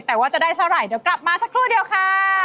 แต่ว่าจะได้เท่าไหร่เดี๋ยวกลับมาสักครู่เดียวค่ะ